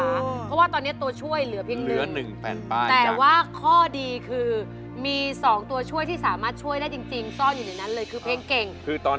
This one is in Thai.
เพราะว่าตอนนี้ตัวช่วยเหลือเพียงหนึ่งเหลือ๑แผ่นป้ายแต่ว่าข้อดีคือมี๒ตัวช่วยที่สามารถช่วยได้จริงซ่อนอยู่ในนั้นเลยคือเพลงเก่งคือตอน